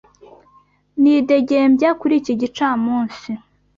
Nidegembya kuri iki gicamunsi.